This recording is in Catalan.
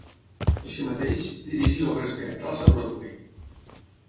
Així mateix, dirigí obres teatrals a Broadway.